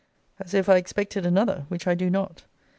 As if I expected another; which I do not.